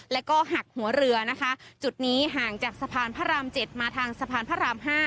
แล้วก็หักหัวเรือนะคะจุดนี้ห่างจากสะพานพระราม๗มาทางสะพานพระราม๕